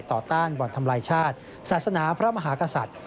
ต่อต้านบรรธรรมรายชาติศาสนาพระมหากษัตริย์